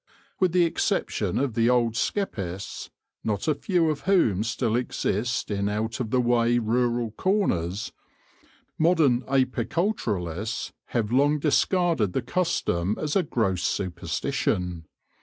With the exception of the old skeppists, not a few of whom still exist in out of the way rural corners, modern apiculturists have long discarded the custom as a gross superstition.